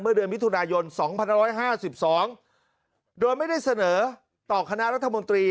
เมื่อเดือนมิถุนายนสองพันร้อยห้าสิบสองโดยไม่ได้เสนอต่อคณะรัฐมนตรี